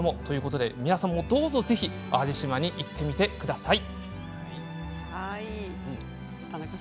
皆さんもどうぞ淡路島に行ってみてください。